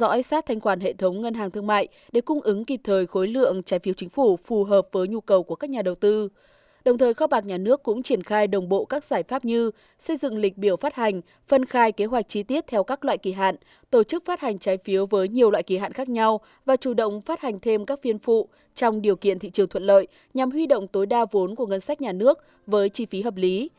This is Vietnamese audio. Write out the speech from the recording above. đồng thời kho bạc nhà nước cũng triển khai đồng bộ các giải pháp như xây dựng lịch biểu phát hành phân khai kế hoạch chi tiết theo các loại kỳ hạn tổ chức phát hành trái phiếu với nhiều loại kỳ hạn khác nhau và chủ động phát hành thêm các phiên phụ trong điều kiện thị trường thuận lợi nhằm huy động tối đa vốn của ngân sách nhà nước với chi phí hợp lý